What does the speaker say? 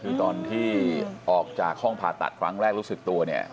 คือตอนที่ออกจากห้องผ่าตัดครั้งแรกรู้สึกตัวเนี่ย